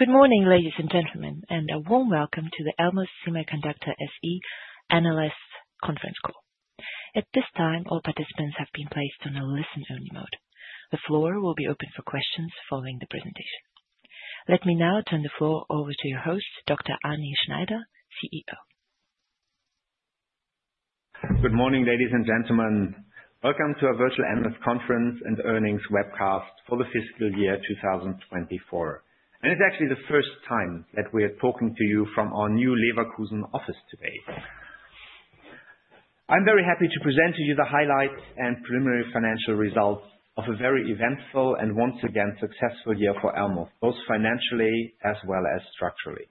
Good morning, ladies and gentlemen, and a warm welcome to the Elmos Semiconductor SE Analysts conference call. At this time, all participants have been placed on a listen-only mode. The floor will be open for questions following the presentation. Let me now turn the floor over to your host, Dr. Arne Schneider, CEO. Good morning, ladies and gentlemen. Welcome to our Virtual Analyst conference and earnings webcast for the fiscal year 2024, and it's actually the first time that we are talking to you from our new Leverkusen office today. I'm very happy to present to you the highlights and preliminary financial results of a very eventful and, once again, successful year for Elmos, both financially as well as structurally.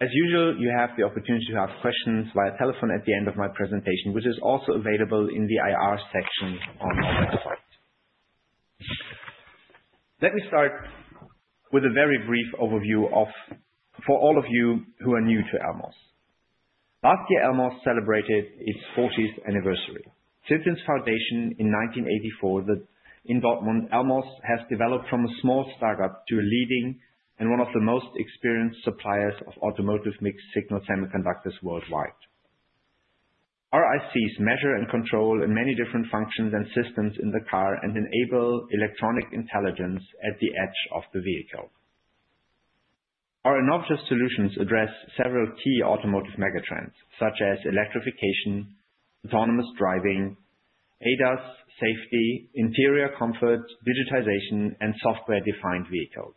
As usual, you have the opportunity to ask questions via telephone at the end of my presentation, which is also available in the IR section on our website. Let me start with a very brief overview for all of you who are new to Elmos. Last year, Elmos celebrated its 40th anniversary. Since its foundation in 1984 in Dortmund, Elmos has developed from a small startup to a leading and one of the most experienced suppliers of automotive mixed-signal semiconductors worldwide. Our ICs measure and control many different functions and systems in the car and enable electronic intelligence at the edge of the vehicle. Our innovative solutions address several key automotive megatrends, such as electrification, autonomous driving, ADAS, safety, interior comfort, digitization, and software-defined vehicles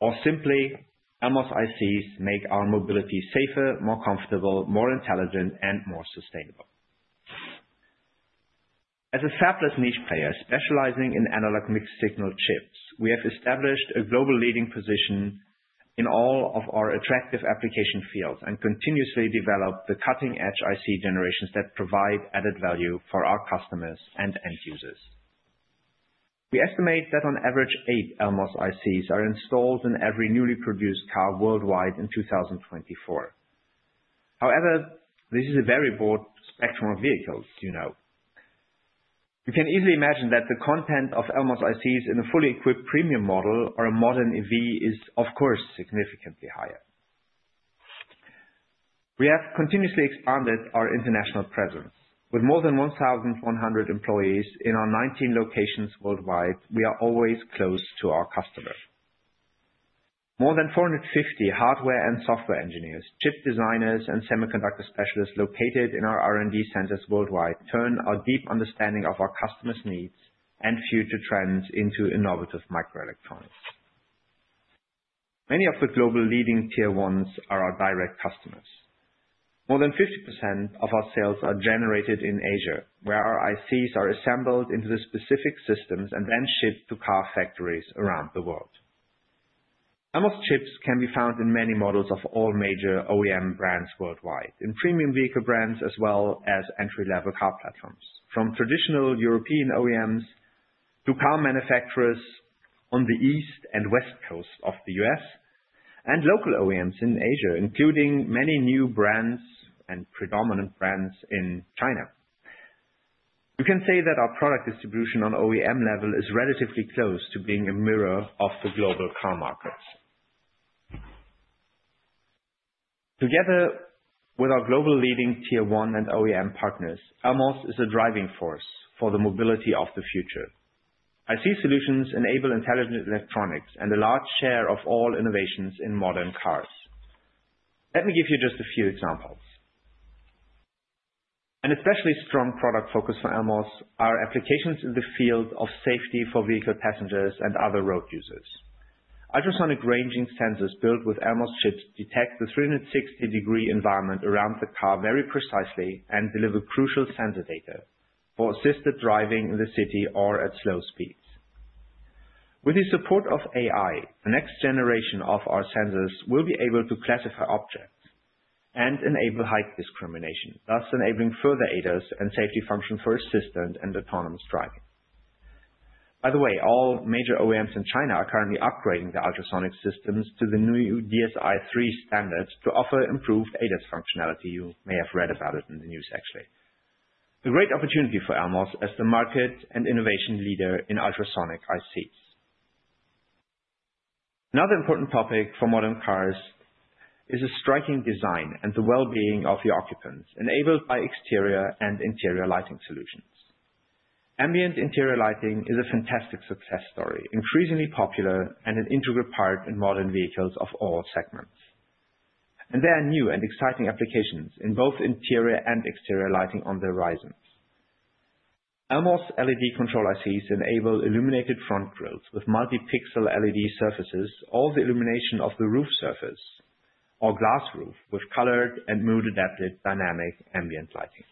or simply, Elmos ICs make our mobility safer, more comfortable, more intelligent, and more sustainable. As a fabless niche player specializing in analog mixed signal chips, we have established a global leading position in all of our attractive application fields and continuously develop the cutting-edge IC generations that provide added value for our customers and end users. We estimate that, on average, eight Elmos ICs are installed in every newly produced car worldwide in 2024. However, this is a very broad spectrum of vehicles, you know. You can easily imagine that the content of Elmos ICs in a fully equipped premium model or a modern EV is, of course, significantly higher. We have continuously expanded our international presence. With more than 1,100 employees in our 19 locations worldwide, we are always close to our customers. More than 450 hardware and software engineers, chip designers, and semiconductor specialists located in our R&D centers worldwide turn our deep understanding of our customers' needs and future trends into innovative microelectronics. Many of the global leading Tier 1s are our direct customers. More than 50% of our sales are generated in Asia, where our ICs are assembled into the specific systems and then shipped to car factories around the world. Elmos chips can be found in many models of all major OEM brands worldwide, in premium vehicle brands as well as entry-level car platforms, from traditional European OEMs to car manufacturers on the East and West Coast of the U.S., and local OEMs in Asia, including many new brands and predominant brands in China. You can say that our product distribution on OEM level is relatively close to being a mirror of the global car markets. Together with our global leading Tier 1 and OEM partners, Elmos is a driving force for the mobility of the future. IC solutions enable intelligent electronics and a large share of all innovations in modern cars. Let me give you just a few examples. An especially strong product focus for Elmos are applications in the field of safety for vehicle passengers and other road users. Ultrasonic ranging sensors built with Elmos chips detect the 360-degree environment around the car very precisely and deliver crucial sensor data for assisted driving in the city or at slow speeds. With the support of AI, the next generation of our sensors will be able to classify objects and enable height discrimination, thus enabling further ADAS and safety functions for assisted and autonomous driving. By the way, all major OEMs in China are currently upgrading their ultrasonic systems to the new DSI3 standard to offer improved ADAS functionality. You may have read about it in the news, actually. A great opportunity for Elmos as the market and innovation leader in ultrasonic ICs. Another important topic for modern cars is a striking design and the well-being of the occupants, enabled by exterior and interior lighting solutions. Ambient interior lighting is a fantastic success story, increasingly popular and an integral part in modern vehicles of all segments, and there are new and exciting applications in both interior and exterior lighting on the horizons. Elmos LED control ICs enable illuminated front grilles with multi-pixel LED surfaces, all the illumination of the roof surface or glass roof with colored and mood-adapted dynamic ambient lighting.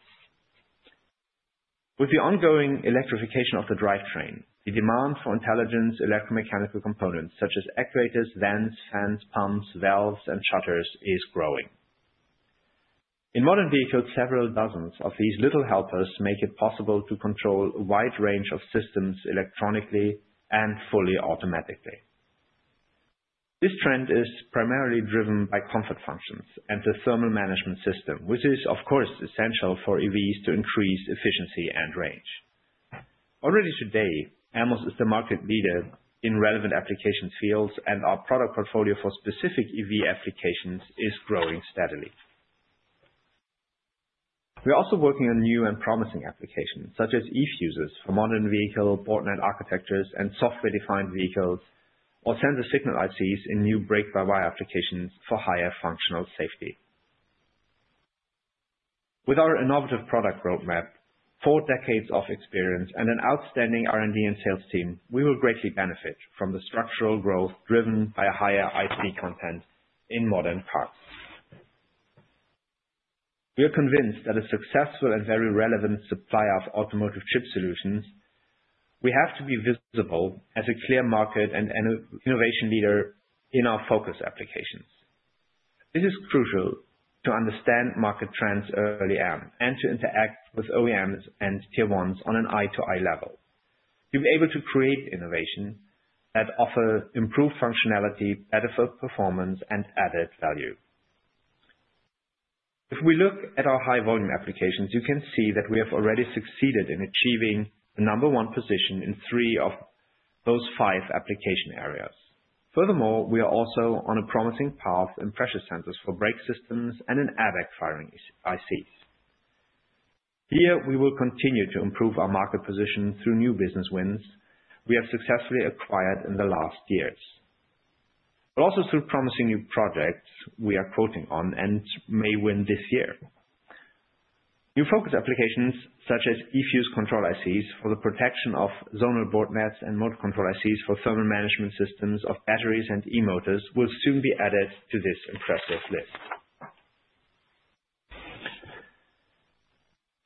With the ongoing electrification of the drivetrain, the demand for intelligent electromechanical components such as actuators, vents, fans, pumps, valves, and shutters is growing. In modern vehicles, several dozens of these little helpers make it possible to control a wide range of systems electronically and fully automatically. This trend is primarily driven by comfort functions and the thermal management system, which is, of course, essential for EVs to increase efficiency and range. Already today, Elmos is the market leader in relevant application fields, and our product portfolio for specific EV applications is growing steadily. We are also working on new and promising applications such as eFuses for modern vehicle board net architectures and software-defined vehicles or sensor signal ICs in new brake-by-wire applications for higher functional safety. With our innovative product roadmap, four decades of experience, and an outstanding R&D and sales team, we will greatly benefit from the structural growth driven by a higher IC content in modern cars. We are convinced that a successful and very relevant supplier of automotive chip solutions will have to be visible as a clear market and innovation leader in our focus applications. This is crucial to understand market trends early on and to interact with OEMs and Tier 1s on an eye-to-eye level to be able to create innovation that offers improved functionality, better performance, and added value. If we look at our high-volume applications, you can see that we have already succeeded in achieving the number one position in three of those five application areas. Furthermore, we are also on a promising path in pressure sensors for brake systems and in airbag firing ICs. Here, we will continue to improve our market position through new business wins we have successfully acquired in the last years, but also through promising new projects we are quoting on and may win this year. New focus applications such as E-Fuse control ICs for the protection of zonal board nets and motor control ICs for thermal management systems of batteries and e-motors will soon be added to this impressive list.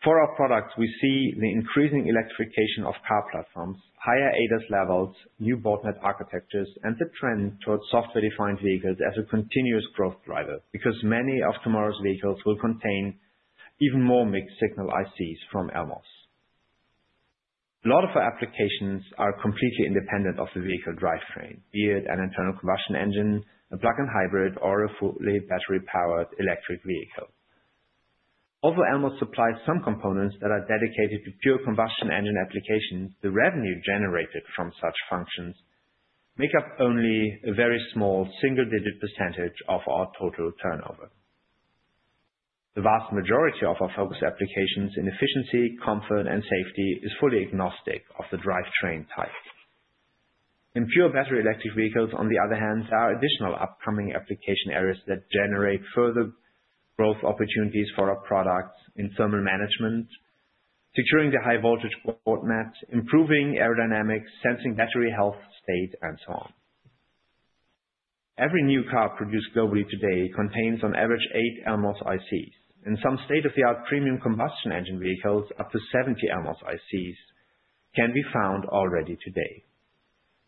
For our products, we see the increasing electrification of car platforms, higher ADAS levels, new board net architectures, and the trend towards software-defined vehicles as a continuous growth driver because many of tomorrow's vehicles will contain even more mixed signal ICs from Elmos. A lot of our applications are completely independent of the vehicle drivetrain, be it an internal combustion engine, a plug-in hybrid, or a fully battery-powered electric vehicle. Although Elmos supplies some components that are dedicated to pure combustion engine applications, the revenue generated from such functions makes up only a very small single-digit percentage of our total turnover. The vast majority of our focus applications in efficiency, comfort, and safety is fully agnostic of the drivetrain type. In pure battery electric vehicles, on the other hand, there are additional upcoming application areas that generate further growth opportunities for our products in thermal management, securing the high-voltage board net, improving aerodynamics, sensing battery health state, and so on. Every new car produced globally today contains, on average, eight Elmos ICs. In some state-of-the-art premium combustion engine vehicles, up to 70 Elmos ICs can be found already today.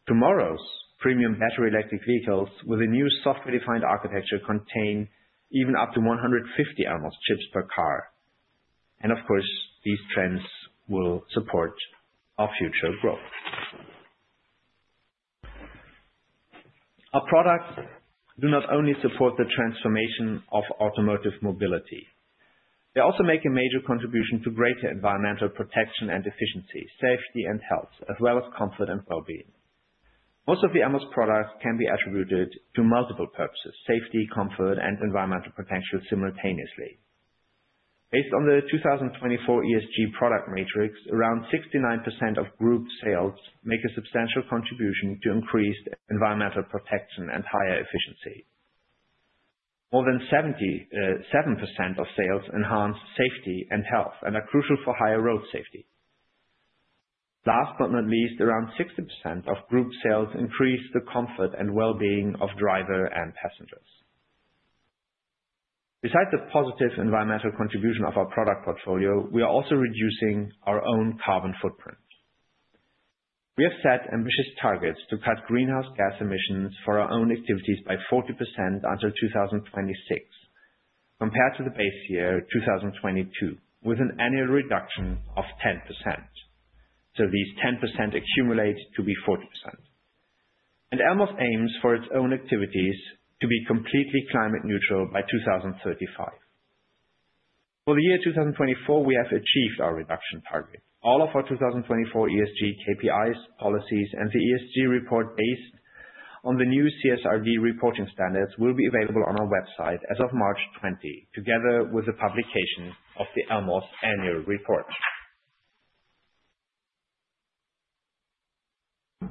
Tomorrow's premium battery electric vehicles with a new software-defined architecture contain even up to 150 Elmos chips per car, and, of course, these trends will support our future growth. Our products do not only support the transformation of automotive mobility. They also make a major contribution to greater environmental protection and efficiency, safety, and health, as well as comfort and well-being. Most of the Elmos products can be attributed to multiple purposes: safety, comfort, and environmental protection simultaneously. Based on the 2024 ESG product matrix, around 69% of group sales make a substantial contribution to increased environmental protection and higher efficiency. More than 77% of sales enhance safety and health and are crucial for higher road safety. Last but not least, around 60% of group sales increase the comfort and well-being of drivers and passengers. Besides the positive environmental contribution of our product portfolio, we are also reducing our own carbon footprint. We have set ambitious targets to cut greenhouse gas emissions for our own activities by 40% until 2026, compared to the base year 2022, with an annual reduction of 10%. So these 10% accumulate to be 40%. Elmos aims for its own activities to be completely climate neutral by 2035. For the year 2024, we have achieved our reduction target. All of our 2024 ESG KPIs, policies, and the ESG report based on the new CSRD reporting standards will be available on our website as of March 20, together with the publication of the Elmos annual report.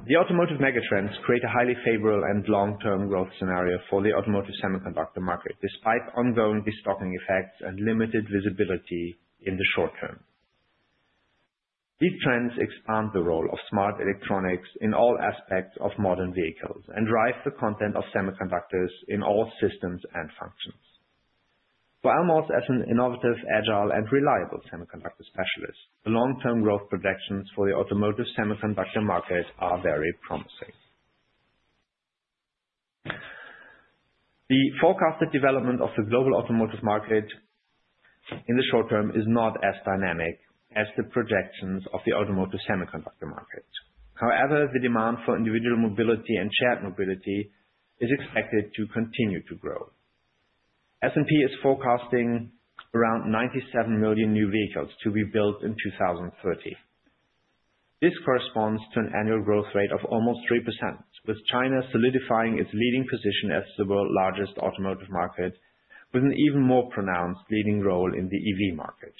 The automotive megatrends create a highly favorable and long-term growth scenario for the automotive semiconductor market, despite ongoing restocking effects and limited visibility in the short term. These trends expand the role of smart electronics in all aspects of modern vehicles and drive the content of semiconductors in all systems and functions. For Elmos, as an innovative, agile, and reliable semiconductor specialist, the long-term growth projections for the automotive semiconductor market are very promising. The forecasted development of the global automotive market in the short term is not as dynamic as the projections of the automotive semiconductor market. However, the demand for individual mobility and shared mobility is expected to continue to grow. S&P is forecasting around 97 million new vehicles to be built in 2030. This corresponds to an annual growth rate of almost 3%, with China solidifying its leading position as the world's largest automotive market, with an even more pronounced leading role in the EV market.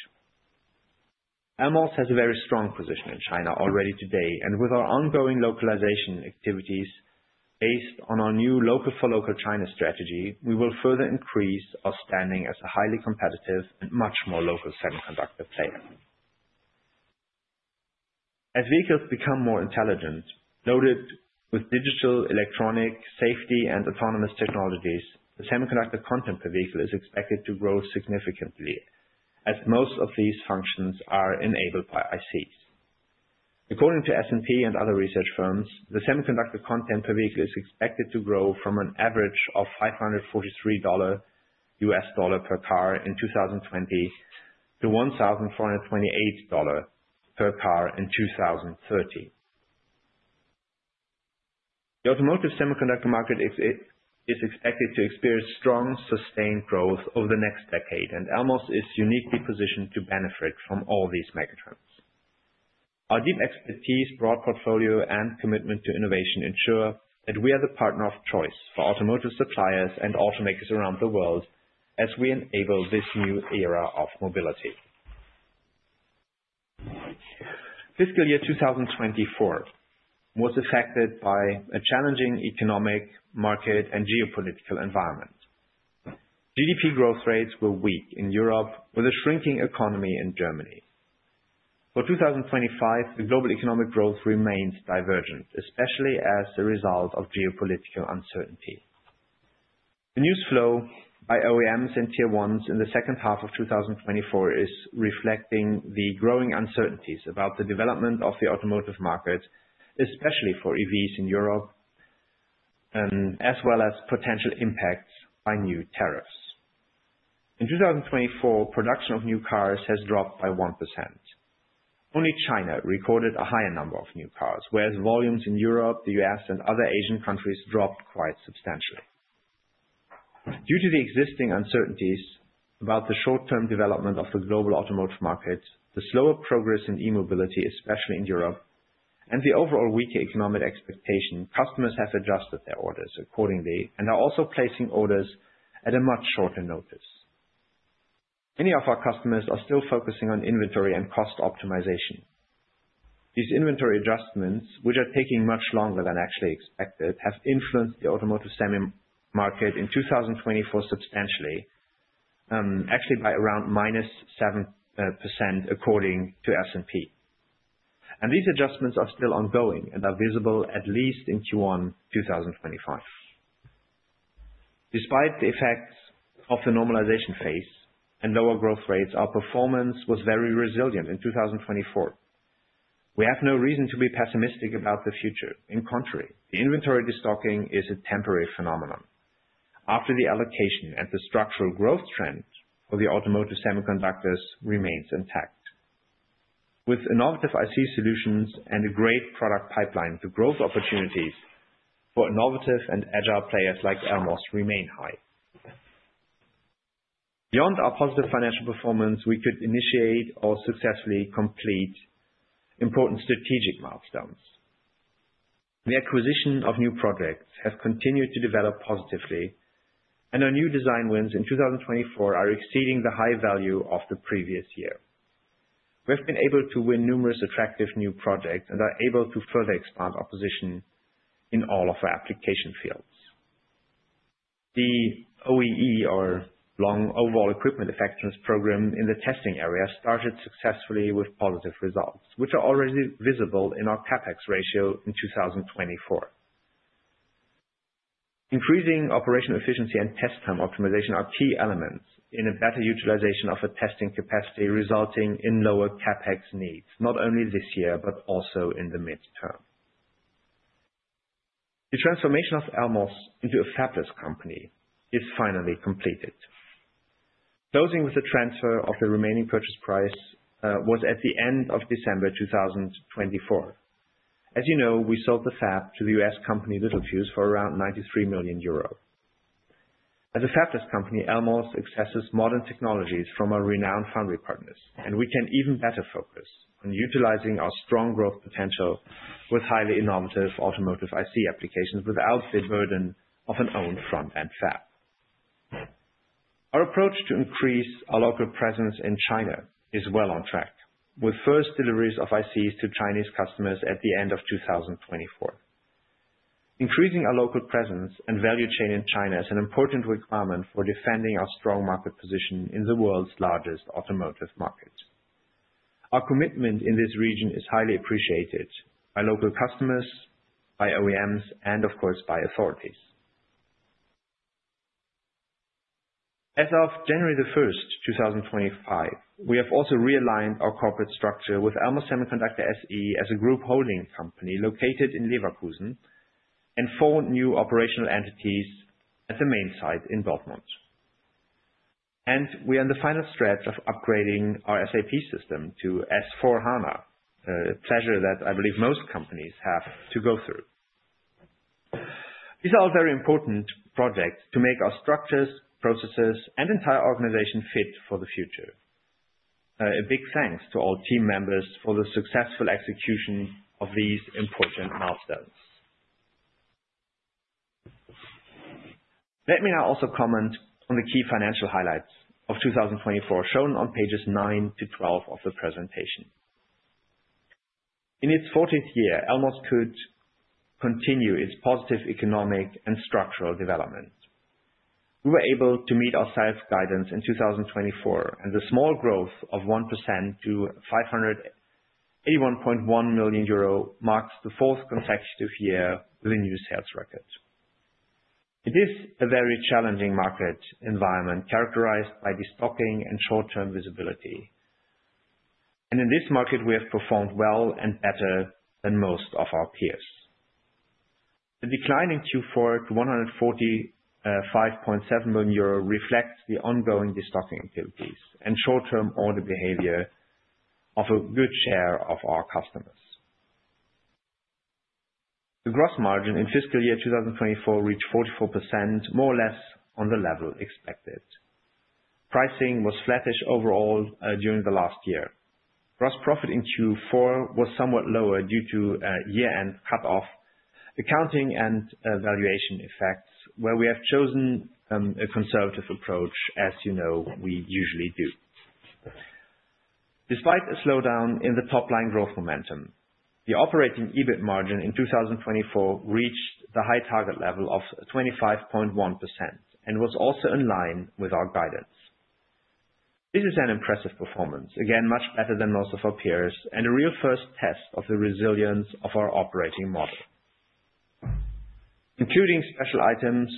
Elmos has a very strong position in China already today, and with our ongoing localization activities based on our new local-for-local China strategy, we will further increase our standing as a highly competitive and much more local semiconductor player. As vehicles become more intelligent, loaded with digital electronic safety and autonomous technologies, the semiconductor content per vehicle is expected to grow significantly, as most of these functions are enabled by ICs. According to S&P and other research firms, the semiconductor content per vehicle is expected to grow from an average of $543 per car in 2020-$1,428 per car in 2030. The automotive semiconductor market is expected to experience strong, sustained growth over the next decade, and Elmos is uniquely positioned to benefit from all these megatrends. Our deep expertise, broad portfolio, and commitment to innovation ensure that we are the partner of choice for automotive suppliers and automakers around the world as we enable this new era of mobility. Fiscal year 2024 was affected by a challenging economic market and geopolitical environment. GDP growth rates were weak in Europe, with a shrinking economy in Germany. For 2025, the global economic growth remains divergent, especially as a result of geopolitical uncertainty. The news flow by OEMs and Tier 1s in the second half of 2024 is reflecting the growing uncertainties about the development of the automotive market, especially for EVs in Europe, as well as potential impacts by new tariffs. In 2024, production of new cars has dropped by 1%. Only China recorded a higher number of new cars, whereas volumes in Europe, the U.S., and other Asian countries dropped quite substantially. Due to the existing uncertainties about the short-term development of the global automotive market, the slower progress in e-mobility, especially in Europe, and the overall weaker economic expectation, customers have adjusted their orders accordingly and are also placing orders at a much shorter notice. Many of our customers are still focusing on inventory and cost optimization. These inventory adjustments, which are taking much longer than actually expected, have influenced the automotive semi market in 2024 substantially, actually by around -7% according to S&P, and these adjustments are still ongoing and are visible at least in Q1 2025. Despite the effects of the normalization phase and lower growth rates, our performance was very resilient in 2024. We have no reason to be pessimistic about the future. On the contrary, the inventory destocking is a temporary phenomenon. After the allocation and the structural growth trend for the automotive semiconductors remains intact. With innovative IC solutions and a great product pipeline, the growth opportunities for innovative and agile players like Elmos remain high. Beyond our positive financial performance, we could initiate or successfully complete important strategic milestones. The acquisition of new projects has continued to develop positively, and our new design wins in 2024 are exceeding the high value of the previous year. We have been able to win numerous attractive new projects and are able to further expand our position in all of our application fields. The OEE, or Overall Equipment Effectiveness Program, in the testing area started successfully with positive results, which are already visible in our CapEx ratio in 2024. Increasing operational efficiency and test time optimization are key elements in a better utilization of a testing capacity, resulting in lower CapEx needs not only this year but also in the midterm. The transformation of Elmos into a fabless company is finally completed. Closing with the transfer of the remaining purchase price was at the end of December 2024. As you know, we sold the fab to the U.S. company Littelfuse for around 93 million euros. As a fabless company, Elmos accesses modern technologies from our renowned foundry partners, and we can even better focus on utilizing our strong growth potential with highly innovative automotive IC applications without the burden of an own front-end fab. Our approach to increase our local presence in China is well on track, with first deliveries of ICs to Chinese customers at the end of 2024. Increasing our local presence and value chain in China is an important requirement for defending our strong market position in the world's largest automotive market. Our commitment in this region is highly appreciated by local customers, by OEMs, and, of course, by authorities. As of January 1st, 2025, we have also realigned our corporate structure with Elmos Semiconductor SE as a group holding company located in Leverkusen and four new operational entities at the main site in Dortmund. We are in the final stretch of upgrading our SAP system to S/4HANA, a pleasure that I believe most companies have to go through. These are all very important projects to make our structures, processes, and entire organization fit for the future. A big thanks to all team members for the successful execution of these important milestones. Let me now also comment on the key financial highlights of 2024 shown on pages 9-12 of the presentation. In its 40th year, Elmos could continue its positive economic and structural development. We were able to meet our sales guidance in 2024, and the small growth of 1% to 581.1 million euro marks the fourth consecutive year with a new sales record. It is a very challenging market environment characterized by destocking and short-term visibility, and in this market, we have performed well and better than most of our peers. The decline in Q4 to 145.7 million euro reflects the ongoing destocking activities and short-term order behavior of a good share of our customers. The gross margin in fiscal year 2024 reached 44%, more or less on the level expected. Pricing was flattish overall during the last year. Gross profit in Q4 was somewhat lower due to year-end cut-off, accounting and valuation effects, where we have chosen a conservative approach, as you know we usually do. Despite a slowdown in the top-line growth momentum, the operating EBIT margin in 2024 reached the high target level of 25.1% and was also in line with our guidance. This is an impressive performance, again much better than most of our peers and a real first test of the resilience of our operating model. Including special items,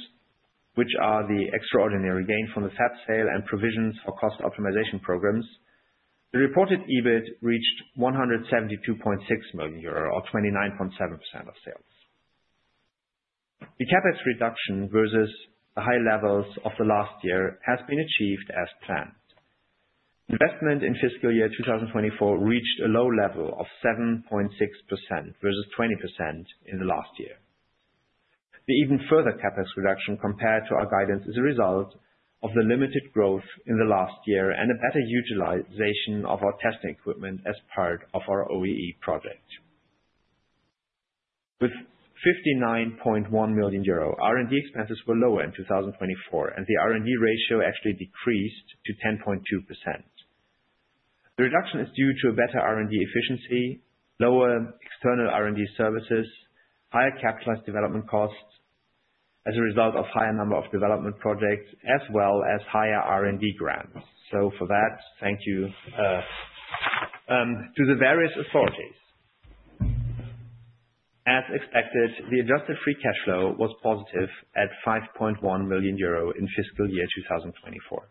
which are the extraordinary gain from the fab sale and provisions for cost optimization programs, the reported EBIT reached 172.6 million euro or 29.7% of sales. The CapEx reduction versus the high levels of the last year has been achieved as planned. Investment in fiscal year 2024 reached a low level of 7.6% versus 20% in the last year. The even further CapEx reduction compared to our guidance is a result of the limited growth in the last year and a better utilization of our testing equipment as part of our OEE project. With 59.1 million euro, R&D expenses were lower in 2024, and the R&D ratio actually decreased to 10.2%. The reduction is due to a better R&D efficiency, lower external R&D services, higher capitalized development costs as a result of a higher number of development projects, as well as higher R&D grants, so for that, thank you to the various authorities. As expected, the adjusted free cash flow was positive at 5.1 million euro in fiscal year 2024.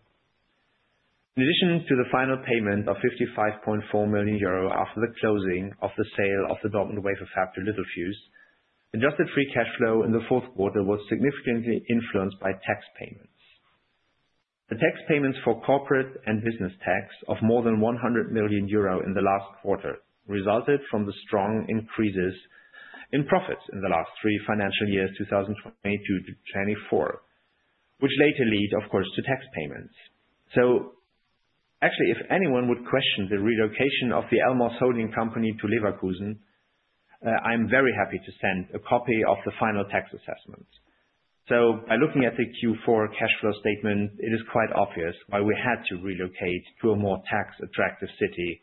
In addition to the final payment of 55.4 million euro after the closing of the sale of the Dortmund Wafer Factory Littelfuse, adjusted free cash flow in the fourth quarter was significantly influenced by tax payments. The tax payments for corporate and business tax of more than 100 million euro in the last quarter resulted from the strong increases in profits in the last three financial years, 2022 to 2024, which later lead, of course, to tax payments. So actually, if anyone would question the relocation of the Elmos Holding Company to Leverkusen, I'm very happy to send a copy of the final tax assessment. So by looking at the Q4 cash flow statement, it is quite obvious why we had to relocate to a more tax-attractive city,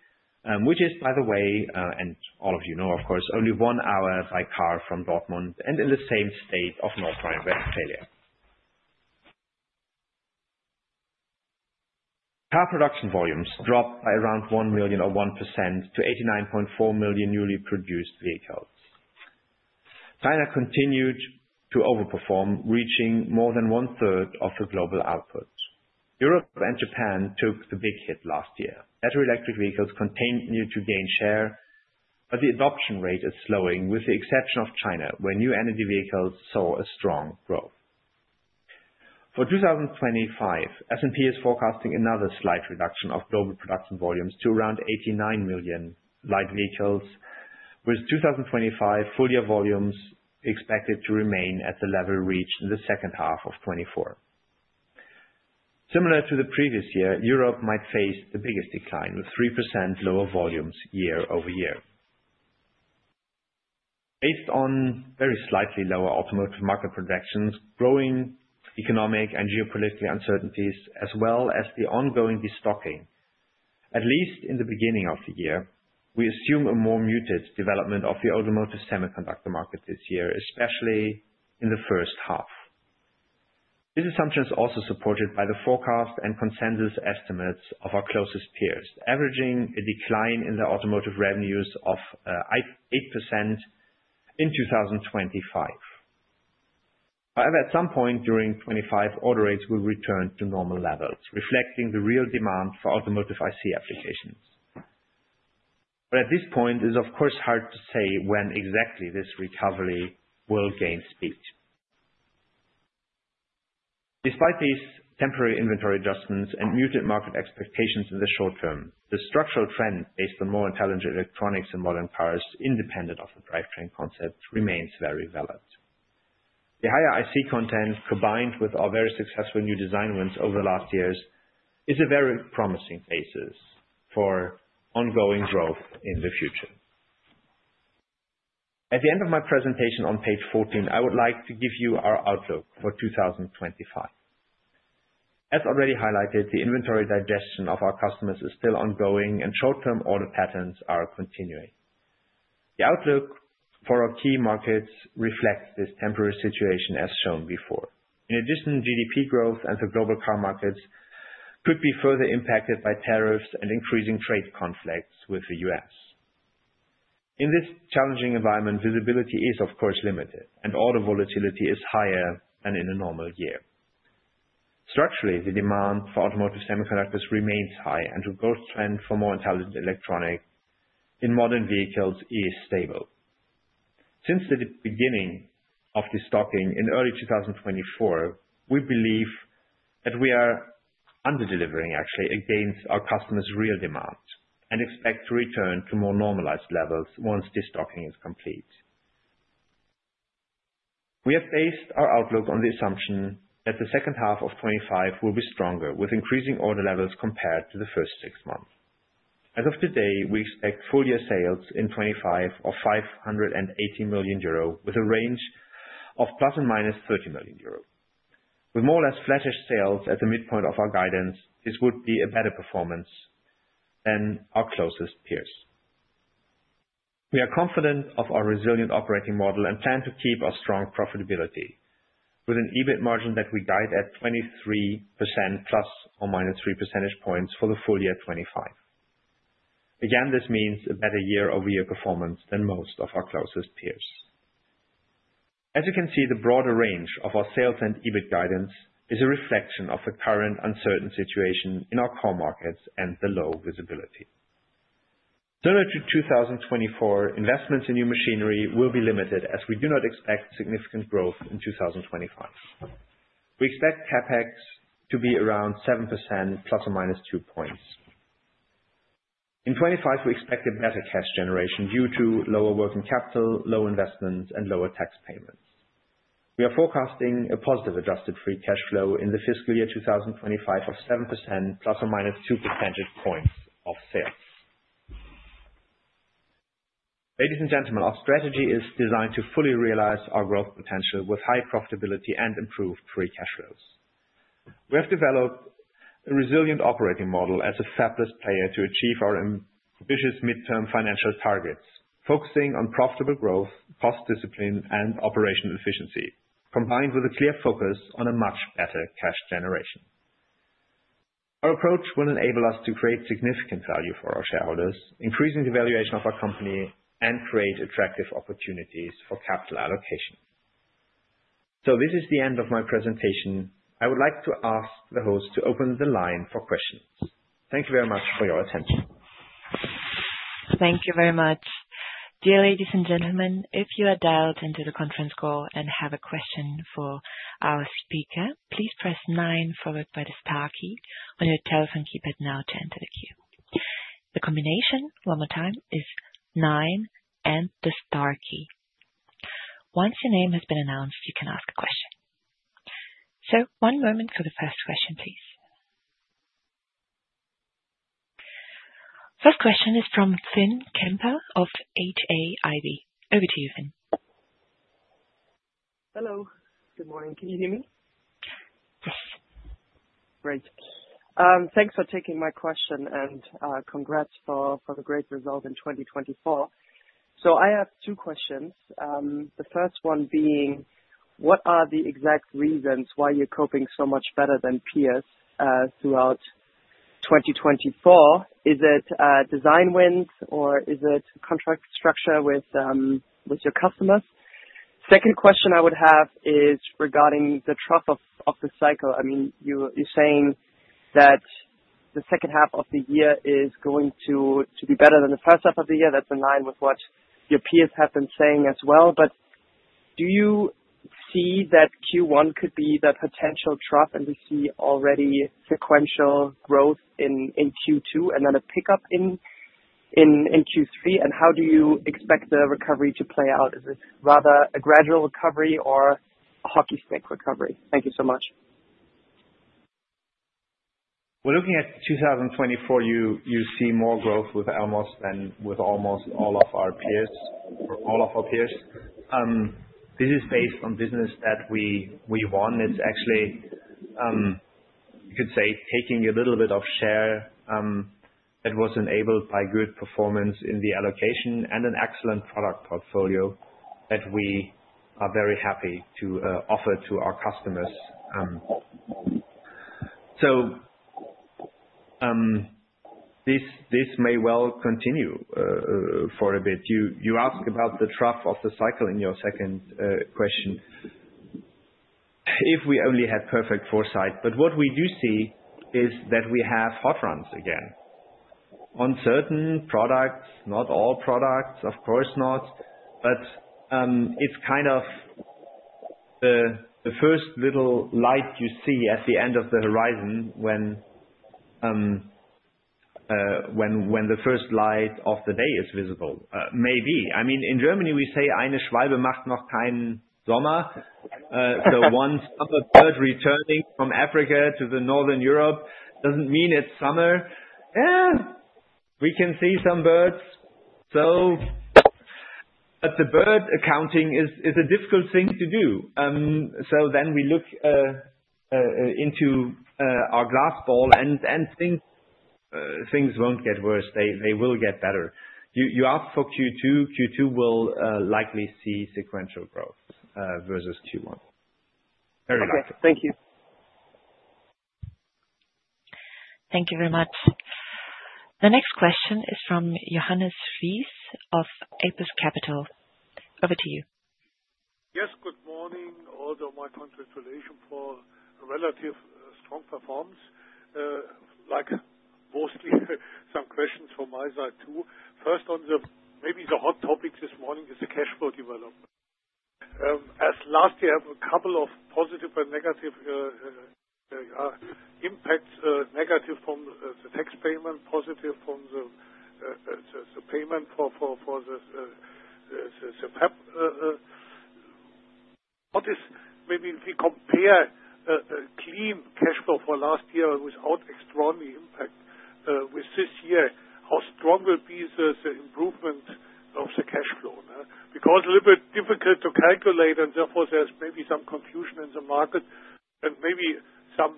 which is, by the way, and all of you know, of course, only one hour by car from Dortmund and in the same state of North Rhine-Westphalia. Car production volumes dropped by around one million or 1%-89.4 million newly produced vehicles. China continued to overperform, reaching more than one-third of the global output. Europe and Japan took the big hit last year. Battery electric vehicles continue to gain share, but the adoption rate is slowing, with the exception of China, where new energy vehicles saw a strong growth. For 2025, S&P is forecasting another slight reduction of global production volumes to around 89 million light vehicles, with 2025 full-year volumes expected to remain at the level reached in the second half of 2024. Similar to the previous year, Europe might face the biggest decline with 3% lower volumes year over year. Based on very slightly lower automotive market projections, growing economic and geopolitical uncertainties, as well as the ongoing destocking, at least in the beginning of the year, we assume a more muted development of the automotive semiconductor market this year, especially in the first half. This assumption is also supported by the forecast and consensus estimates of our closest peers, averaging a decline in the automotive revenues of 8% in 2025. However, at some point during 2025, order rates will return to normal levels, reflecting the real demand for automotive IC applications. But at this point, it is, of course, hard to say when exactly this recovery will gain speed. Despite these temporary inventory adjustments and muted market expectations in the short term, the structural trend based on more intelligent electronics and modern cars, independent of the drivetrain concept, remains very valid. The higher IC content, combined with our very successful new design wins over the last years, is a very promising basis for ongoing growth in the future. At the end of my presentation on page 14, I would like to give you our outlook for 2025. As already highlighted, the inventory digestion of our customers is still ongoing, and short-term order patterns are continuing. The outlook for our key markets reflects this temporary situation as shown before. In addition, GDP growth and the global car markets could be further impacted by tariffs and increasing trade conflicts with the U.S. In this challenging environment, visibility is, of course, limited, and order volatility is higher than in a normal year. Structurally, the demand for automotive semiconductors remains high, and the growth trend for more intelligent electronics in modern vehicles is stable. Since the beginning of destocking in early 2024, we believe that we are under-delivering, actually, against our customers' real demand and expect to return to more normalized levels once destocking is complete. We have based our outlook on the assumption that the second half of 2025 will be stronger, with increasing order levels compared to the first six months. As of today, we expect full-year sales in 2025 of 580 million euro, with a range of ±30 million euro. With more or less flattish sales at the midpoint of our guidance, this would be a better performance than our closest peers. We are confident of our resilient operating model and plan to keep our strong profitability, with an EBIT margin that we guide at 23% ±3 percentage points for the full year 2025. Again, this means a better year-over-year performance than most of our closest peers. As you can see, the broader range of our sales and EBIT guidance is a reflection of the current uncertain situation in our core markets and the low visibility. Similar to 2024, investments in new machinery will be limited, as we do not expect significant growth in 2025. We expect CapEx to be around 7% ±2 points. In 2025, we expect a better cash generation due to lower working capital, low investments, and lower tax payments. We are forecasting a positive adjusted free cash flow in the fiscal year 2025 of 7% ±2 percentage points of sales. Ladies and gentlemen, our strategy is designed to fully realize our growth potential with high profitability and improved free cash flows. We have developed a resilient operating model as a fabless player to achieve our ambitious midterm financial targets, focusing on profitable growth, cost discipline, and operational efficiency, combined with a clear focus on a much better cash generation. Our approach will enable us to create significant value for our shareholders, increasing the valuation of our company, and create attractive opportunities for capital allocation. So this is the end of my presentation. I would like to ask the host to open the line for questions. Thank you very much for your attention. Thank you very much. Dear ladies and gentlemen, if you are dialed into the conference call and have a question for our speaker, please press nine, followed by the star key on your telephone keypad now to enter the queue. The combination, one more time, is nine and the star key. Once your name has been announced, you can ask a question. So one moment for the first question, please. First question is from Finn Kemper of Hauck Aufhäuser. Over to you, Finn. Hello. Good morning. Can you hear me? Yes. Great. Thanks for taking my question and congrats for the great result in 2024. So I have two questions. The first one being, what are the exact reasons why you're coping so much better than peers throughout 2024? Is it design wins, or is it contract structure with your customers? Second question I would have is regarding the trough of the cycle. I mean, you're saying that the second half of the year is going to be better than the first half of the year. That's in line with what your peers have been saying as well. But do you see that Q1 could be the potential trough, and we see already sequential growth in Q2 and then a pickup in Q3 and how do you expect the recovery to play out? Is it rather a gradual recovery or a hockey stick recovery? Thank you so much. We're looking at 2024. You see more growth with Elmos than with almost all of our peers, all of our peers. This is based on business that we won. It's actually, you could say, taking a little bit of share that was enabled by good performance in the allocation and an excellent product portfolio that we are very happy to offer to our customers. So this may well continue for a bit. You asked about the trough of the cycle in your second question, if we only had perfect foresight. But what we do see is that we have hot runs again in certain products, not all products, of course not, but it's kind of the first little light you see at the end of the tunnel when the first light of the day is visible. Maybe. I mean, in Germany, we say, "Eine Schwalbe macht noch keinen Sommer." So one summer bird returning from Africa to the northern Europe doesn't mean it's summer. Yeah, we can see some birds. But the bird accounting is a difficult thing to do. So then we look into our glass ball and think things won't get worse. They will get better. You asked for Q2. Q2 will likely see sequential growth versus Q1. Very much. Okay. Thank you. Thank you very much. The next question is from Johannes Ries of Apus Capital. Over to you. Yes, good morning. Also, my congratulations for a relatively strong performance. Like mostly, some questions from my side too. First, maybe the hot topic this morning is the cash flow development. As last year, a couple of positive and negative impacts, negative from the tax payment, positive from the payment for the fab. Maybe if we compare clean cash flow for last year without extraordinary impact with this year, how strong will be the improvement of the cash flow? Because a little bit difficult to calculate, and therefore there's maybe some confusion in the market and maybe some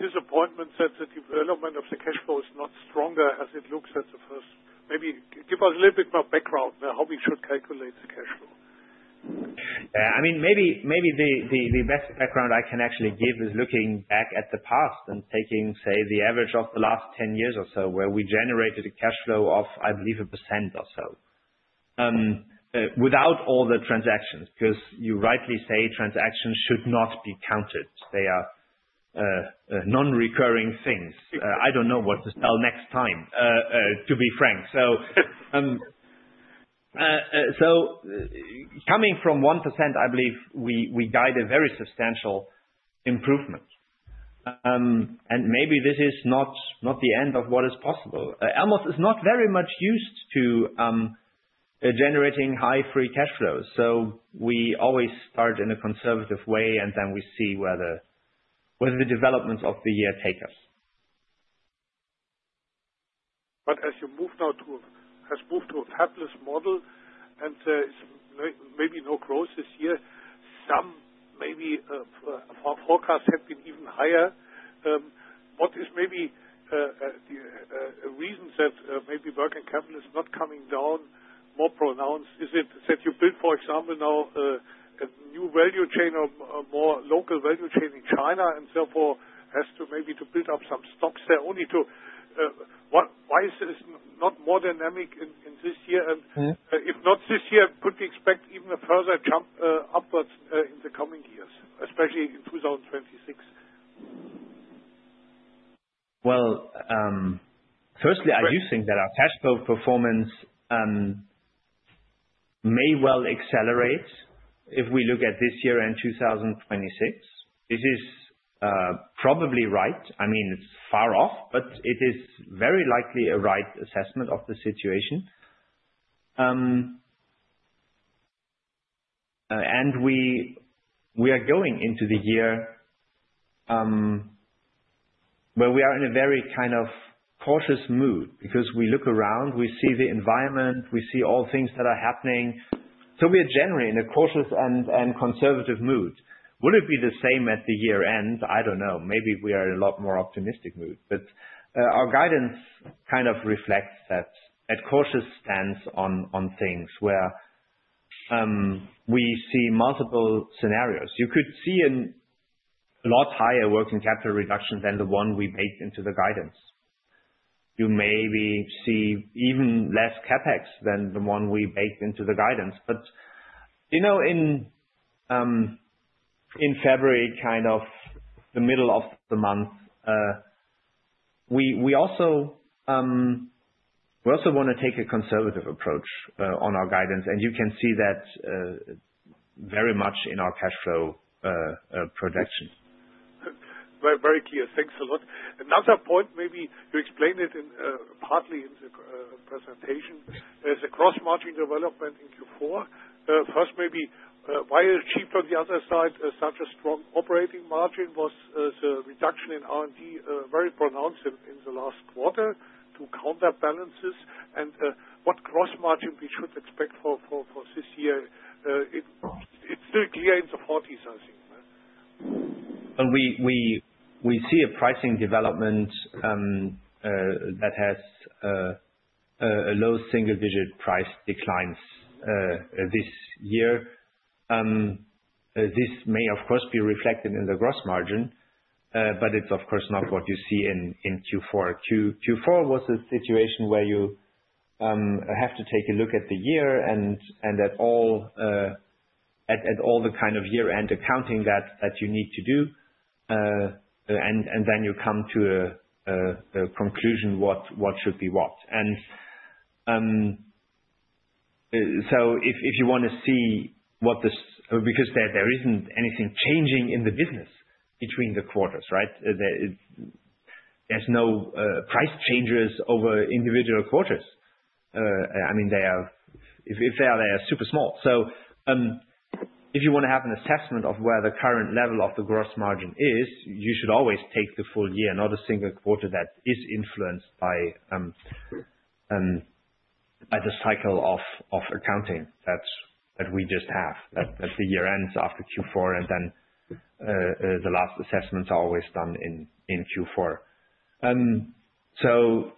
disappointments that the development of the cash flow is not stronger as it looks at first. Maybe give us a little bit more background on how we should calculate the cash flow. Yeah. I mean, maybe the best background I can actually give is looking back at the past and taking, say, the average of the last 10 years or so, where we generated a cash flow of, I believe, 1% or so, without all the transactions, because you rightly say transactions should not be counted. They are non-recurring things. I don't know what to sell next time, to be frank. So coming from 1%, I believe we guide a very substantial improvement, and maybe this is not the end of what is possible. Elmos is not very much used to generating high free cash flows, so we always start in a conservative way, and then we see where the developments of the year take us. But as you move now to have moved to a fabless model and there is maybe no growth this year, some maybe forecasts have been even higher. What is maybe a reason that maybe working capital is not coming down more pronounced? Is it that you built, for example, now a new value chain or more local value chain in China and therefore has to maybe build up some stocks there only to why is this not more dynamic in this year? If not this year, could we expect even a further jump upwards in the coming years, especially in 2026? Firstly, I do think that our cash flow performance may well accelerate if we look at this year and 2026. This is probably right. I mean, it's far off, but it is very likely a right assessment of the situation, and we are going into the year where we are in a very kind of cautious mood because we look around, we see the environment, we see all things that are happening, so we are generally in a cautious and conservative mood. Will it be the same at the year end? I don't know. Maybe we are in a lot more optimistic mood, but our guidance kind of reflects that cautious stance on things where we see multiple scenarios. You could see a lot higher working capital reduction than the one we baked into the guidance. You maybe see even less CapEx than the one we baked into the guidance. But in February, kind of the middle of the month, we also want to take a conservative approach on our guidance, and you can see that very much in our cash flow projection. Very clear. Thanks a lot. Another point, maybe you explained it partly in the presentation, is the gross margin development in Q4. First, maybe why is gross on the other side such a strong operating margin? Was the reduction in R&D very pronounced in the last quarter to counterbalance? What gross margin we should expect for this year? It's still in the 40s, I think. We see a pricing development that has low single-digit price declines this year. This may, of course, be reflected in the gross margin, but it's, of course, not what you see in Q4. Q4 was a situation where you have to take a look at the year and at all the kind of year-end accounting that you need to do, and then you come to a conclusion what should be what. So if you want to see what the because there isn't anything changing in the business between the quarters, right? There's no price changes over individual quarters. I mean, if they are, they are super small. So if you want to have an assessment of where the current level of the gross margin is, you should always take the full year, not a single quarter that is influenced by the cycle of accounting that we just have. That the year ends after Q4, and then the last assessments are always done in Q4. So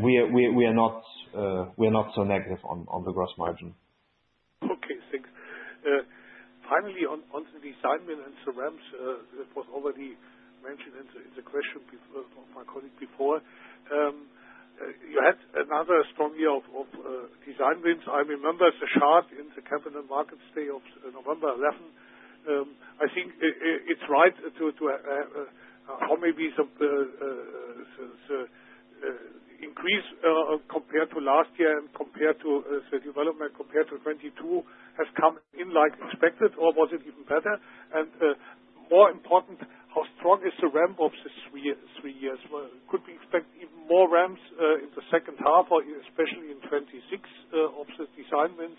we are not so negative on the gross margin. Okay. Thanks. Finally, on the design win and surrounds, it was already mentioned in the question of my colleague before. You had another strong year of design wins. I remember the slide in the capital markets day of November 11th. I think it's right to have maybe some increase compared to last year and compared to the development compared to 2022 has come in like expected, or was it even better? More important, how strong is the ramp of the three years? Could we expect even more ramps in the second half, especially in 2026, of the design wins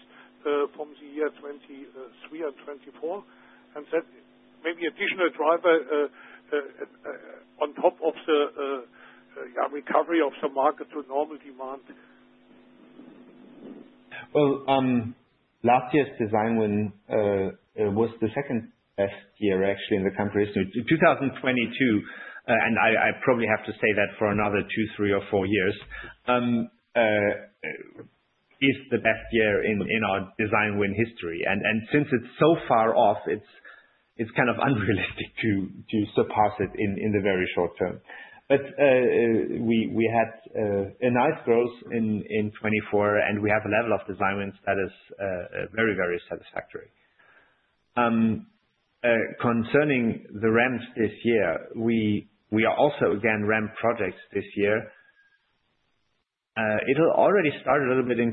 from the year 2023 and 2024? Maybe additional driver on top of the recovery of the market to normal demand. Last year's design win was the second best year, actually, in the comparison. 2022, and I probably have to say that for another two, three, or four years, is the best year in our design win history, and since it's so far off, it's kind of unrealistic to surpass it in the very short term. But we had a nice growth in 2024, and we have a level of design wins that is very, very satisfactory. Concerning the ramps this year, we are also again ramp projects this year. It'll already start a little bit in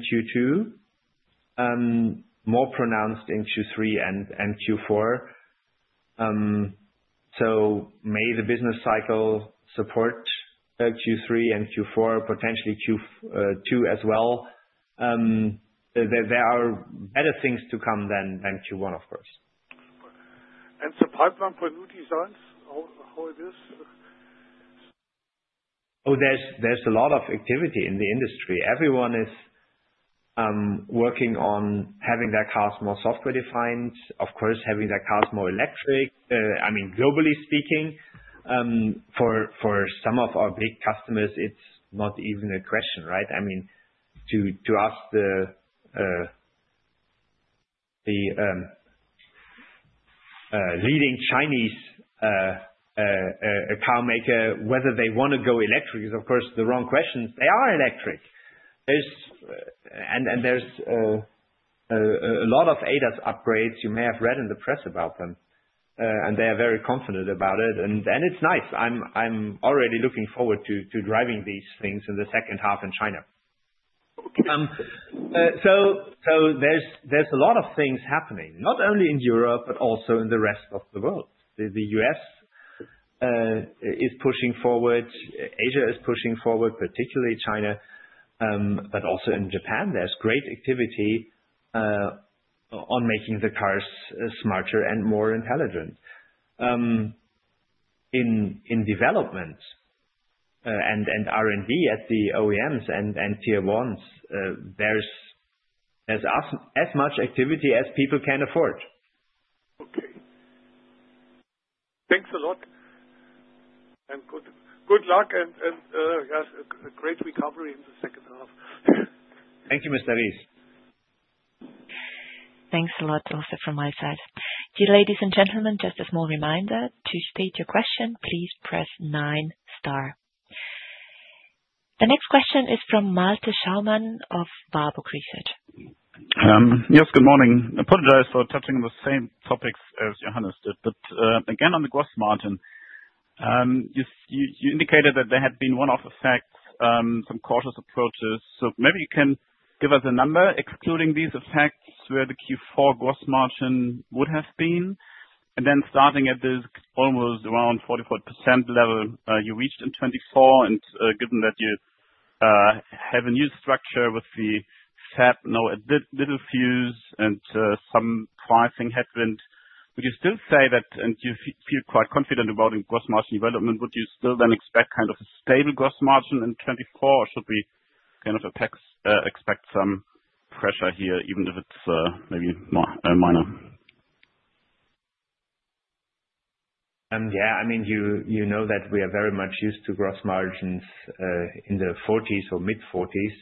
Q2, more pronounced in Q3 and Q4. So, the business cycle may support Q3 and Q4, potentially Q2 as well. There are better things to come than Q1, of course. The pipeline for new designs, how it is? Oh, there's a lot of activity in the industry. Everyone is working on having their cars more software-defined, of course, having their cars more electric. I mean, globally speaking, for some of our big customers, it's not even a question, right? I mean, to ask the leading Chinese car maker whether they want to go electric is, of course, the wrong question. They are electric, and there's a lot of ADAS upgrades. You may have read in the press about them, and they are very confident about it, and it's nice. I'm already looking forward to driving these things in the second half in China, so there's a lot of things happening, not only in Europe, but also in the rest of the world. The U.S. is pushing forward. Asia is pushing forward, particularly China, but also in Japan. There's great activity on making the cars smarter and more intelligent. In development and R&D at the OEMs and Tier 1s, there's as much activity as people can afford. Okay. Thanks a lot, and good luck and a great recovery in the second half. Thank you, Mr. Ries. Thanks a lot, also, from my side. Dear ladies and gentlemen, just a small reminder. To state your question, please press nine star. The next question is from Malte Schaumann of Warburg Research. Yes, good morning. I apologize for touching on the same topics as Johannes did, but again, on the gross margin, you indicated that there had been one-off effects, some cautious approaches. So maybe you can give us a number excluding these effects where the Q4 gross margin would have been? Then starting at this almost around 44% level you reached in 2024, and given that you have a new structure with the fab, no additional fuse, and some pricing headwind, would you still say that, and you feel quite confident about gross margin development, would you still then expect kind of a stable gross margin in 2024, or should we kind of expect some pressure here, even if it's maybe minor? Yeah. I mean, you know that we are very much used to gross margins in the 40s or mid-40s.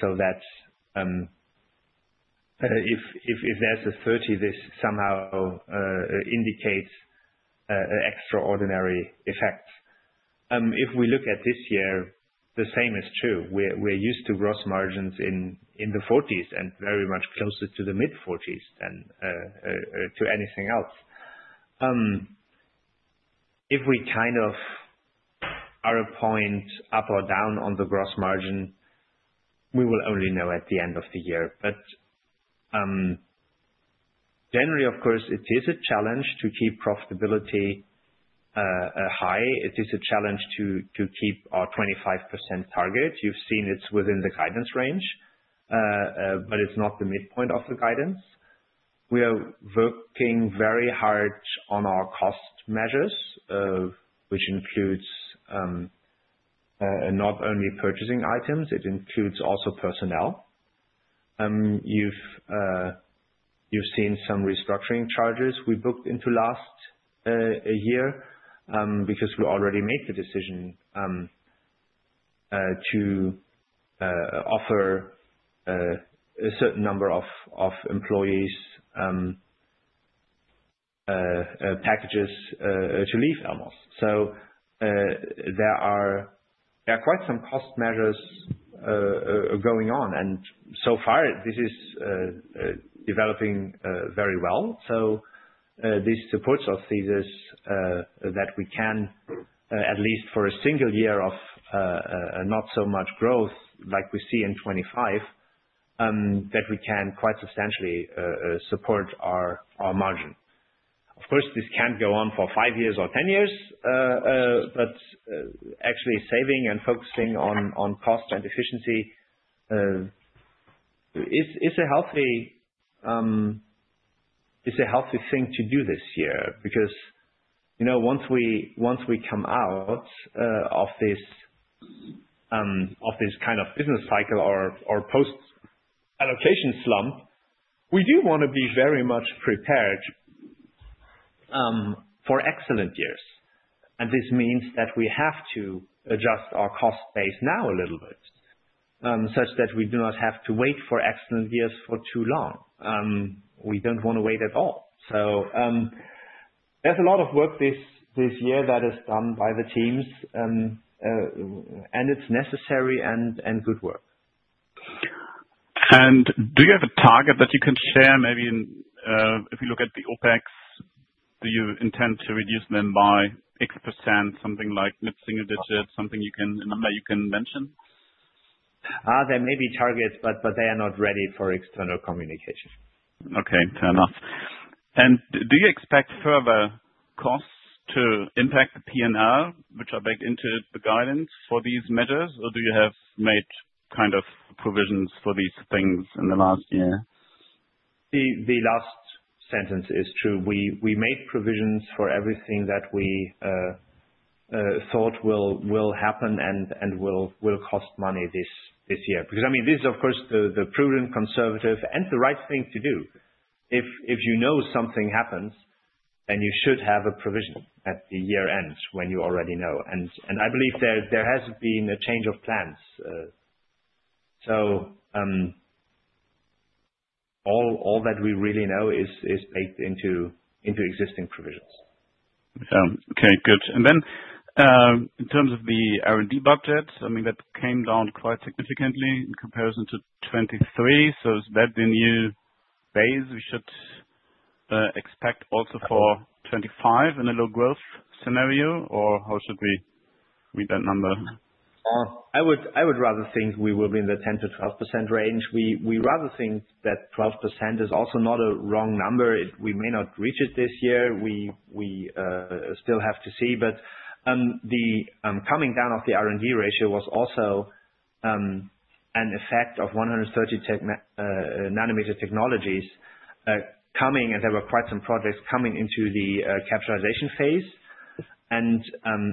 So if there's a 30, this somehow indicates extraordinary effects. If we look at this year, the same is true. We're used to gross margins in the 40s and very much closer to the mid-40s than to anything else. If we kind of are a point up or down on the gross margin, we will only know at the end of the year. But generally, of course, it is a challenge to keep profitability high. It is a challenge to keep our 25% target. You've seen it's within the guidance range, but it's not the midpoint of the guidance. We are working very hard on our cost measures, which includes not only purchasing items, it includes also personnel. You've seen some restructuring charges we booked into last year because we already made the decision to offer a certain number of employees packages to leave Elmos. So there are quite some cost measures going on. So far, this is developing very well. So this supports our thesis that we can, at least for a single year of not so much growth like we see in 2025, that we can quite substantially support our margin. Of course, this can't go on for five years or ten years, but actually saving and focusing on cost and efficiency is a healthy thing to do this year because once we come out of this kind of business cycle or post-allocation slump, we do want to be very much prepared for excellent years. This means that we have to adjust our cost base now a little bit such that we do not have to wait for excellent years for too long. We don't want to wait at all. So there's a lot of work this year that is done by the teams, and it's necessary and good work. Do you have a target that you can share? Maybe if you look at the OpEx, do you intend to reduce them by X%, something like mid-single digit, something you can mention? There may be targets, but they are not ready for external communication. Okay. Fair enough. Do you expect further costs to impact the P&R, which are baked into the guidance for these measures, or do you have made kind of provisions for these things in the last year? The last sentence is true. We made provisions for everything that we thought will happen and will cost money this year. Because, I mean, this is, of course, the prudent, conservative, and the right thing to do. If you know something happens, then you should have a provision at the year-end when you already know. I believe there has been a change of plans. So all that we really know is baked into existing provisions. Okay. Good. Then in terms of the R&D budget, I mean, that came down quite significantly in comparison to 2023. So has that been a phase we should expect also for 2025 in a low-growth scenario, or how should we read that number? I would rather think we will be in the 10%-12% range. We rather think that 12% is also not a wrong number. We may not reach it this year. We still have to see, but the coming down of the R&D ratio was also an effect of 130 nanometer technologies coming, and there were quite some projects coming into the capitalization phase, and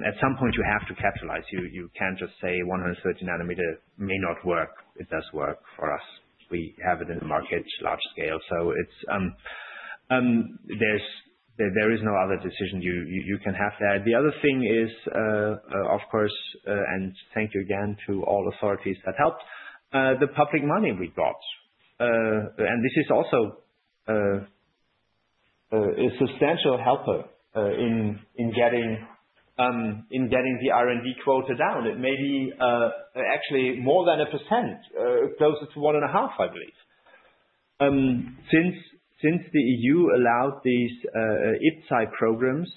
at some point, you have to capitalize. You can't just say 130 nanometer may not work. It does work for us. We have it in the market large scale. So there is no other decision you can have there. The other thing is, of course, and thank you again to all authorities that helped the public money we got, and this is also a substantial helper in getting the R&D quota down. It may be actually more than a percent, closer to 1.5%, I believe. Since the EU allowed these IPCEI programs,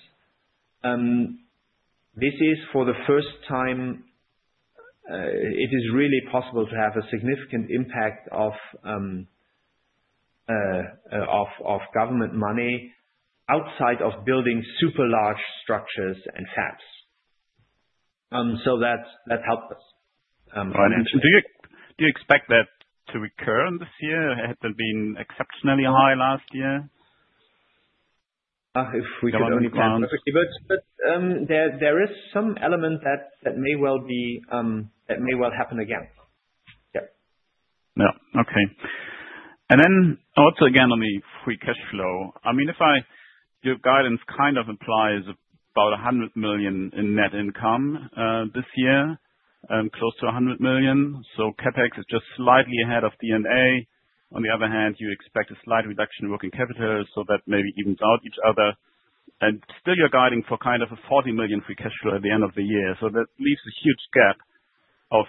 this is for the first time it is really possible to have a significant impact of government money outside of building super large structures and fabs, so that helped us. Do you expect that to recur in this year? It had been exceptionally high last year, if we can only count? There is some element that may well happen again. Yeah. Yeah. Okay. Then also again, on the free cash flow, I mean, your guidance kind of implies about 100 million in net income this year, close to 100 million. So CapEx is just slightly ahead of D&A. On the other hand, you expect a slight reduction in working capital, so that maybe evens out each other, and still, you're guiding for kind of a 40 million free cash flow at the end of the year. So that leaves a huge gap of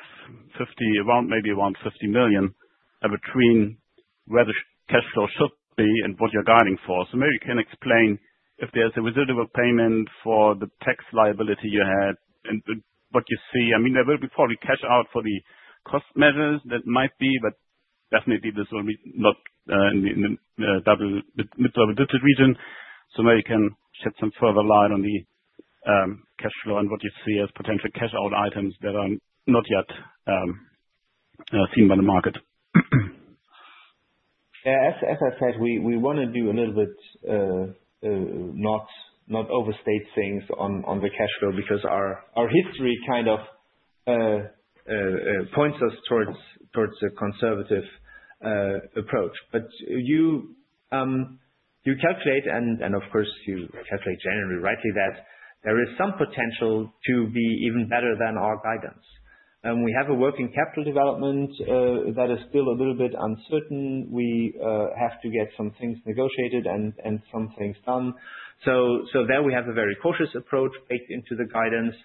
maybe around 50 million between where the cash flow should be and what you're guiding for. So maybe you can explain if there's a residual payment for the tax liability you had and what you see. I mean, there will be probably cash out for the cost measures that might be, but definitely this will be not in the mid-double digit region. So maybe you can shed some further light on the cash flow and what you see as potential cash out items that are not yet seen by the market? As I said, we want to do a little bit not overstate things on the cash flow because our history kind of points us towards a conservative approach. But you calculate, and of course, you calculate generally rightly that there is some potential to be even better than our guidance. We have a working capital development that is still a little bit uncertain. We have to get some things negotiated and some things done. So there we have a very cautious approach baked into the guidance.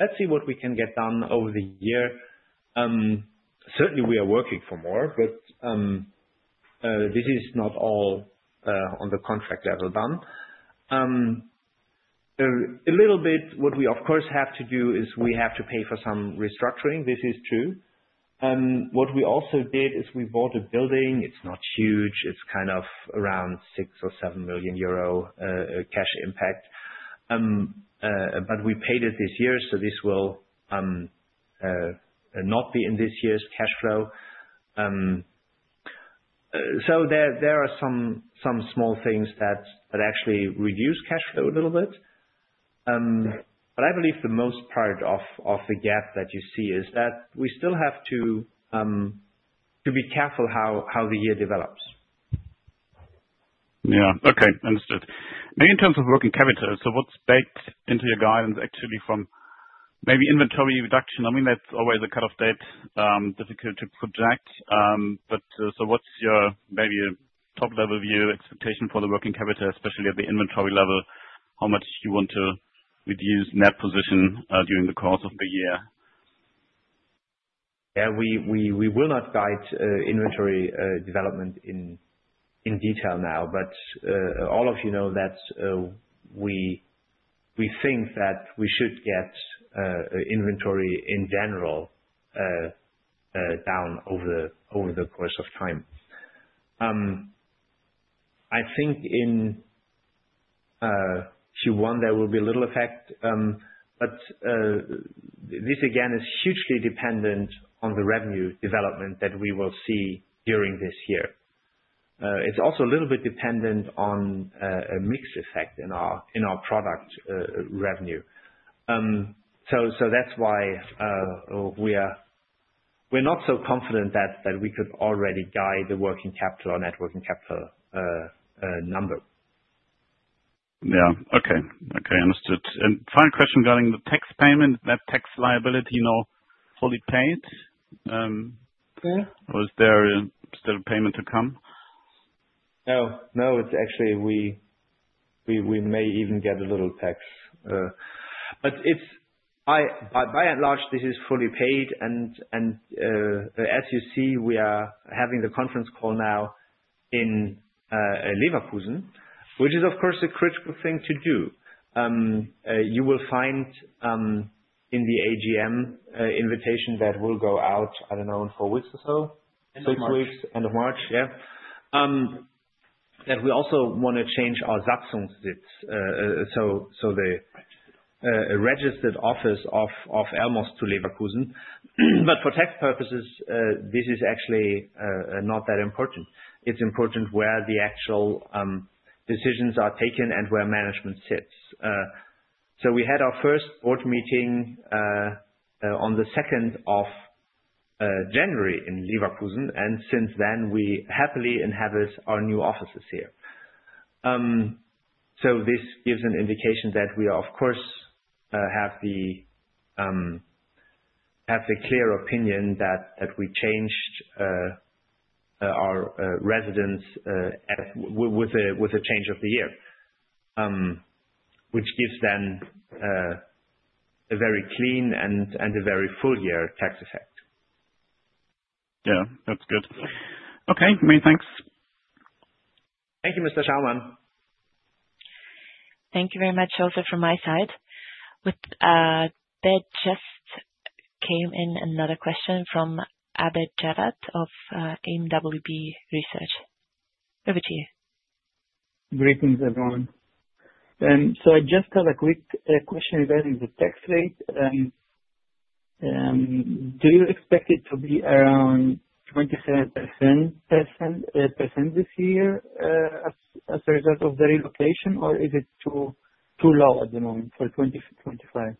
Let's see what we can get done over the year. Certainly, we are working for more, but this is not all on the contract level done. A little bit what we, of course, have to do is we have to pay for some restructuring. This is true. What we also did is we bought a building. It's not huge. It's kind of around 6 or 7 million euro cash impact. But we paid it this year, so this will not be in this year's cash flow. So there are some small things that actually reduce cash flow a little bit. But I believe the most part of the gap that you see is that we still have to be careful how the year develops. Yeah. Okay. Understood. Maybe in terms of working capital, so what's baked into your guidance actually from maybe inventory reduction? I mean, that's always a cut-off date difficult to project. But so what's your maybe top-level view expectation for the working capital, especially at the inventory level, how much you want to reduce net position during the course of the year? Yeah. We will not guide inventory development in detail now, but all of you know that we think that we should get inventory in general down over the course of time. I think in Q1, there will be a little effect, but this, again, is hugely dependent on the revenue development that we will see during this year. It's also a little bit dependent on a mix effect in our product revenue. So that's why we're not so confident that we could already guide the working capital or net working capital number. Understood. Final question regarding the tax payment, net tax liability not fully paid, or is there still a payment to come? No. No. Actually, we may even get a little tax. But by and large, this is fully paid, and as you see, we are having the conference call now in Leverkusen, which is, of course, a critical thing to do. You will find in the AGM invitation that will go out, I don't know, in four weeks or so, six weeks, end of March. Yeah. That we also want to change our Sitz, so the registered office of Elmos to Leverkusen, but for tax purposes, this is actually not that important. It's important where the actual decisions are taken and where management sits. So we had our first board meeting on the 2nd of January in Leverkusen, and since then, we happily inhabit our new offices here. So this gives an indication that we, of course, have the clear opinion that we changed our residence with the change of the year, which gives then a very clean and a very full year tax effect. Yeah. That's good. Okay. Many thanks. Thank you, Mr. Schaumann. Thank you very much also from my side. There just came in another question from Abed Jarad of MWB Research. Over to you. Greetings, everyone. So I just have a quick question regarding the tax rate. Do you expect it to be around 27% this year as a result of the relocation, or is it too low at the moment for 2025?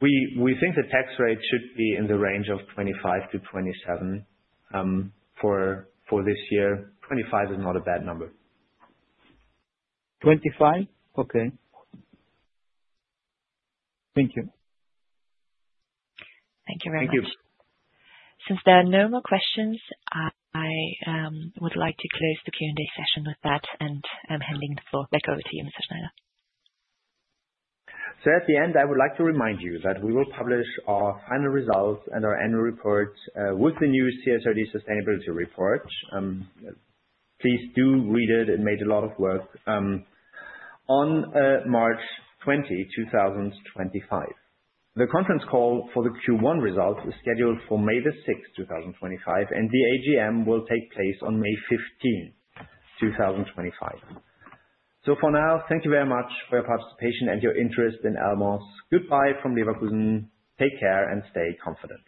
We think the tax rate should be in the range of 25%-27% for this year. 25% is not a bad number. 25? Okay. Thank you. Thank you very much. Thank you. Since there are no more questions, I would like to close the Q&A session with that, and I'm handing the floor back over to you, Mr. Schneider. So at the end, I would like to remind you that we will publish our final results and our annual report with the new CSRD sustainability report. Please do read it. It made a lot of work on March 20, 2025. The conference call for the Q1 results is scheduled for May the 6th, 2025, and the AGM will take place on May 15, 2025. So for now, thank you very much for your participation and your interest in Elmos. Goodbye from Leverkusen. Take care and stay confident.